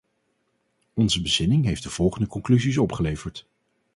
Onze bezinning heeft de volgende conclusies opgeleverd.